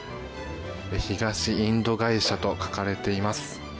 東インド会社と書かれています。